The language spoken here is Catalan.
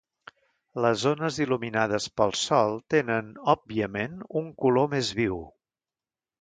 Les zones il·luminades pel sol tenen, òbviament, un color més viu.